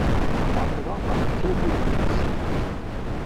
Ɛeṭṭleɣ ɣef lǧal n udafas.